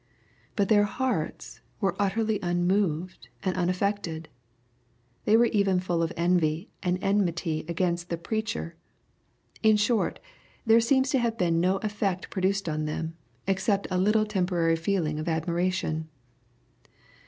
But their hearts were utterly unmoved and unaffected. They were even full of envy and enmity against the Preacher. In short, there seems to have been no effect produced on them, except a little temporary feeling of admiration.